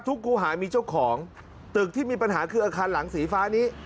ครูหามีเจ้าของตึกที่มีปัญหาคืออาคารหลังสีฟ้านี้